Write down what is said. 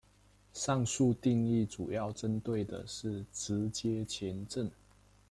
上述定义主要针对的是直接前震。